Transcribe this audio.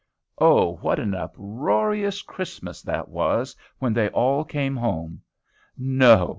Oh! what an uproarious Christmas that was when they all came home! No!